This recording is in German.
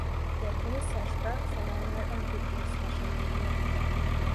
Der Kommissar sprach von einer Entwicklungsmaschinerie.